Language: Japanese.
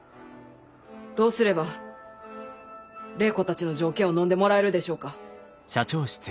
どうすれば礼子たちの条件をのんでもらえるでしょうか。